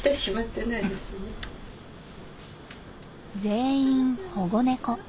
全員保護猫。